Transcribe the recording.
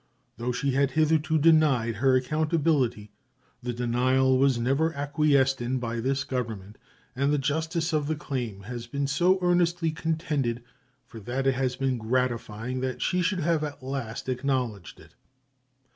Though she had hitherto denied her accountability, the denial was never acquiesced in by this Government, and the justice of the claim has been so earnestly contended for that it has been gratifying that she should have at last acknowledged it.